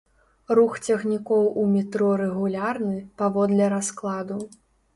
Рух цягнікоў у метро рэгулярны, паводле раскладу.